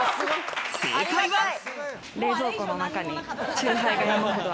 正解は。